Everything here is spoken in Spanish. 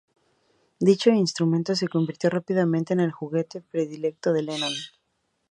Dicho instrumento se convirtió rápidamente en el juguete predilecto de Lennon.